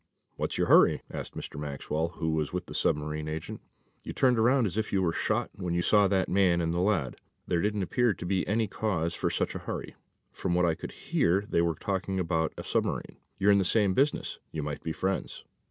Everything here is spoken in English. "What's your hurry?" asked Mr. Maxwell, who was with the submarine agent. "You turned around as if you were shot when you saw that man and the lad. There didn't appear to be any cause for such a hurry. From what I could hear they were talking about a submarine. You're in the same business. You might be friends."